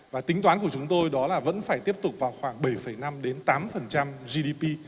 và tính toán của chúng tôi đó là vẫn phải tiếp tục vào khoảng bảy năm tám gdp